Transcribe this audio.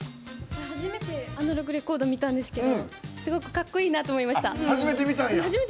初めてアナログレコードを見たんですけどすごくかっこいいなって思いました。